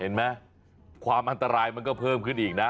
เห็นไหมความอันตรายมันก็เพิ่มขึ้นอีกนะ